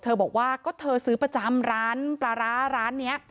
บอกว่าก็เธอซื้อประจำร้านปลาร้าร้านนี้